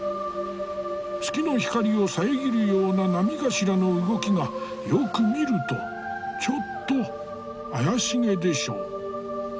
月の光を遮るような波頭の動きがよく見るとちょっと怪しげでしょ。